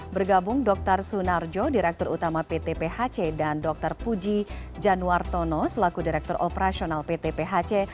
bergabung dr sunarjo direktur utama pt phc dan dr puji januartono selaku direktur operasional pt phc